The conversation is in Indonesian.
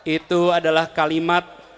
itu adalah kalimat